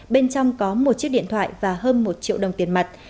bên trong có một chiếc điện thoại và hơn một triệu đồng tiền mặt